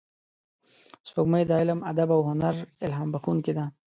سپوږمۍ د علم، ادب او هنر الهام بخښونکې ده